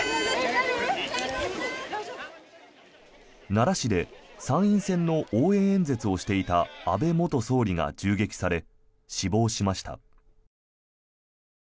奈良市で参院選の応援演説をしていた安倍元総理が銃撃され死亡しました。